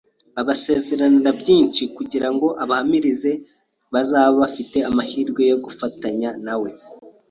abasezeranira byinshi kugira ngo abahamirize bazaba bafite amahirwe yo gufatanya na we